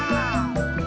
gak ada de